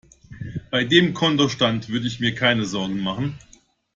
Bei dem Kontostand würde ich mir keine Sorgen machen.